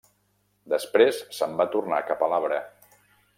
Després se'n va tornar cap a l'arbre.